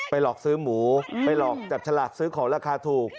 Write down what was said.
หลอกซื้อหมูไปหลอกจับฉลากซื้อของราคาถูก